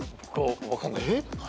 分かんない。